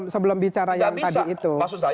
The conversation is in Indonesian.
sebelum bicara yang tadi itu